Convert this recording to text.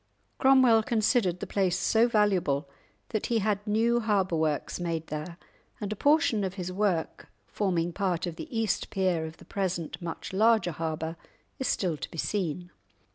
Cromwell considered the place so valuable that he had new harbour works made there, and a portion of his work, forming part of the east pier of the present much larger harbour, is still to be seen.